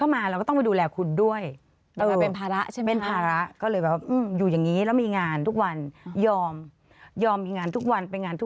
มันหาเลี้ยงตัวเอง